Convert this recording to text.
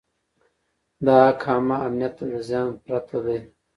دا حق عامه امنیت ته د زیان پرته دی.